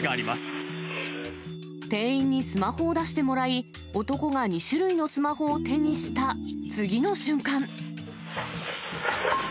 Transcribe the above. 店員にスマホを出してもらい、男が２種類のスマホを手にした次の瞬間。